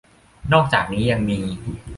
นอกจากนี้ยังมี